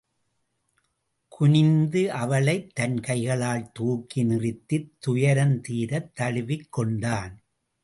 குனிந்து அவளைத் தன் கைகளால் தூக்கி நிறுத்தித் துயரந்தீரத் தழுவிக் கொண்டான்.